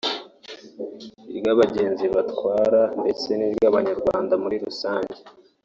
iry’abagenzi batwara ndetse n’iry’abanyarwanda muri rusange